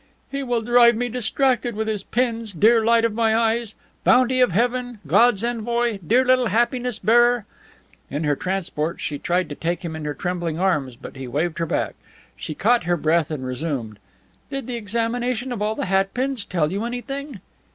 "He will drive me distracted with his pins, dear light of my eyes! Bounty of Heaven! God's envoy! Dear little happiness bearer!" In her transport she tried to take him in her trembling arms, but he waved her back. She caught her breath and resumed: "Did the examination of all the hat pins tell you anything?"